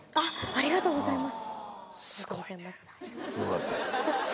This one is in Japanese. ありがとうございます。